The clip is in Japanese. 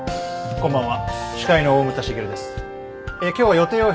こんばんは。